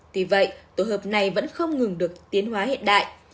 tuy vậy tổ hợp này vẫn không ngừng được tiến hóa hiện đại